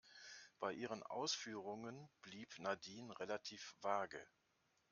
Bei ihren Ausführungen blieb Nadine relativ vage.